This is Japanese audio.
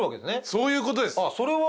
そういうことです。